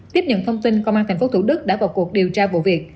tiếp nhận thông tin công an tp thủ đức đã vào cuộc điều tra vụ việc